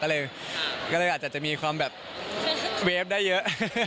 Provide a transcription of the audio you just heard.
ก็เลยอาจจะมีความแบบเวฟได้เยอะ